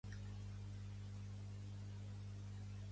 El pare deia que no se li escapaven els pets perquè els deixava anar